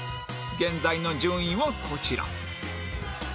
現在の順位はこちら